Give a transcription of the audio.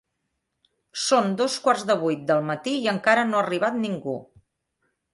Són dos quarts de vuit del matí i encara no ha arribat ningú.